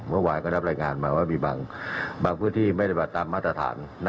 เมื่อวานก็รับรายงานมาว่ามีบางพื้นที่ไม่ปฏิบัติตามมาตรฐาน